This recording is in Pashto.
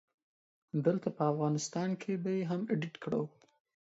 دلته په افغانستان کې به يې هم اډيټ کړو